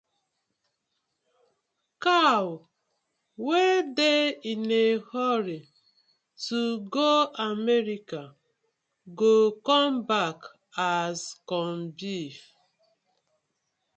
Cow wey dey in a hurry to go America go come back as corn beef: